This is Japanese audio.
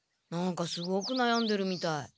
何かすごくなやんでるみたい。